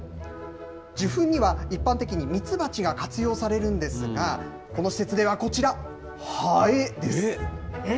受粉には、一般的に蜜蜂が活用されるんですが、この施設ではこちえっ？